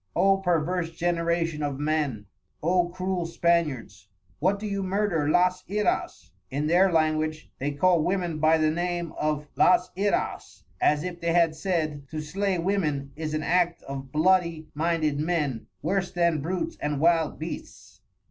O perverse Generation of Men! O Cruel Spaniards! What do you Murder las Iras? (In their Language they call Women by the Name of las Iras as if they had said: To slay Women is an Act of bloody minded Men, worse than Brutes and Wild Beasts.